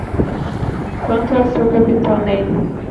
Quanto é o seu capital nele?